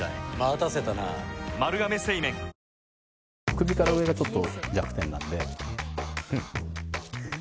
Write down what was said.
首から上がちょっと弱点なんで。